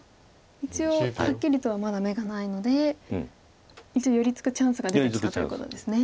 一応はっきりとはまだ眼がないので寄り付くチャンスが出てきたということですね。